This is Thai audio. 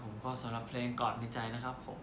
ครับผมก็สำหรับเพลงกอดในใจนะครับผม